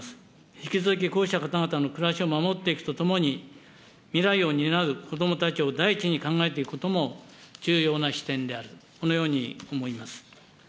引き続きこうした方々の暮らしを守っていくとともに、未来を担う子どもたちを第一に考えていくことも、重要な視点である、このように思います。